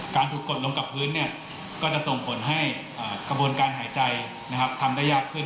ถูกกดลงกับพื้นก็จะส่งผลให้กระบวนการหายใจทำได้ยากขึ้น